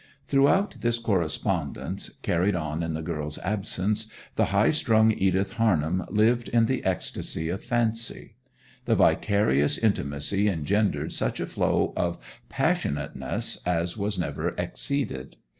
Throughout this correspondence, carried on in the girl's absence, the high strung Edith Harnham lived in the ecstasy of fancy; the vicarious intimacy engendered such a flow of passionateness as was never exceeded.